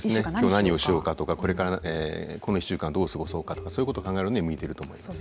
今日何をしようかとかこれからこの１週間どう過ごそうかとかそういうこと考えるのに向いてると思います。